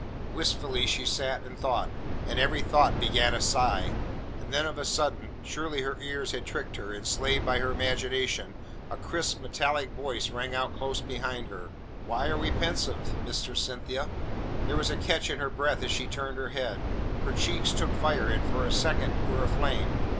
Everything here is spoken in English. Wistful she sat and thought, and every thought begat a sigh, and then of a sudden surely her ears had tricked her, enslaved by her imagination a crisp, metallic voice rang out close behind her. "Why are we pensive, Mistress Cynthia?" There was a catch in her breath as she turned her head. Her cheeks took fire, and for a second were aflame.